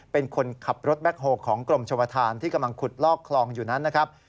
เป็นคนขับรถแบ็คโฮลของกรมชมธานที่กำลังขุดลอกคลองอยู่นั้นนะครับ